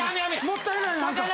もったいない何か。